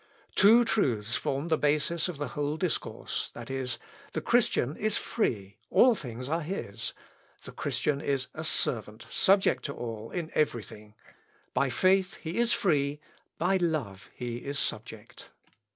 Two truths form the basis of the whole discourse, viz., The Christian is free all things are his: The Christian is a servant subject to all in every thing. By faith he is free, by love he is subject.